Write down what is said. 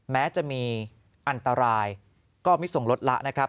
แม้จะมีอันตรายก็ไม่ส่งลดละนะครับ